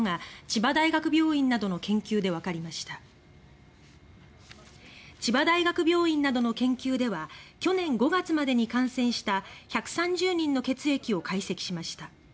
千葉大学病院などの研究では去年５月までに感染した１３０人の血液を解析しました。